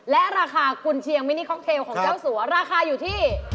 และราคากุญเชียงมินิคอกเทลของเจ้าสัวราคาอยู่ที่